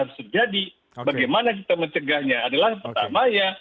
yang terjadi bagaimana kita mencegahnya adalah pertama ya